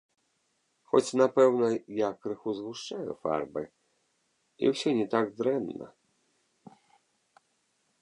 Хоць, напэўна, я крыху згушчаю фарбы, і ўсё не так дрэнна.